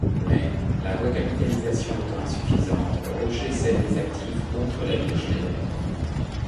Mais, la recapitalisation étant insuffisante, Rochet cède les actifs contre l'avis de Schneider.